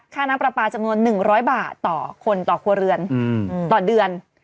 ค่าน้ำปลาปลาจำนวน๑๐๐บาทต่อคนต่อครัวเรือนต่อเดือน